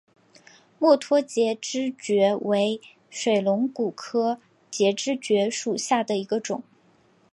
墨脱节肢蕨为水龙骨科节肢蕨属下的一个种。